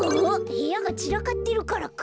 へやがちらかってるからか。